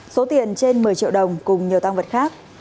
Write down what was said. số tiền trên một mươi triệu đồng cùng nhiều tăng vật khác